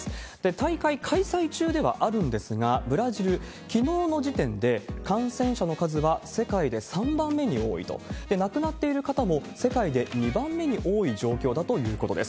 大会開催中ではあるんですが、ブラジル、きのうの時点で感染者の数は世界で３番目に多いと、亡くなっている方も世界で２番目に多い状況だということです。